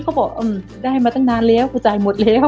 เขาบอกได้มาตั้งนานแล้วกูจ่ายหมดแล้ว